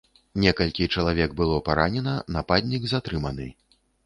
Некалькі чалавек было паранена, нападнік затрыманы.